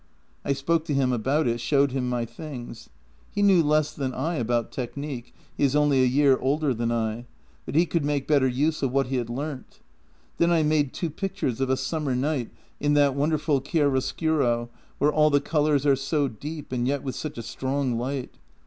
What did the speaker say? " I spoke to him about it, showed him my tilings. He knew less than I about technique — he is only a year older than I — but he could make better use of what he had learnt. Then I made two pictures of a summer night in that wonderful chiaro scuro, where all the colours are so deep and yet with such a strong light.